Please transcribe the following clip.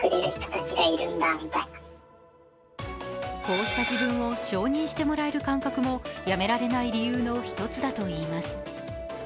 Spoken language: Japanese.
こうした自分を承認してもらえる感覚もやめられない理由の１つだといいます。